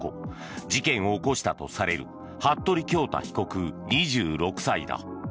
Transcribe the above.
事件を起こしたとされる服部恭太被告、２６歳だ。